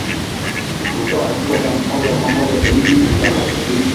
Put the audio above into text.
Hutoa ajira za moja kwa moja zaidi ya laki mbili